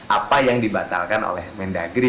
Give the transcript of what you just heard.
apa yang dibatalkan oleh mendagri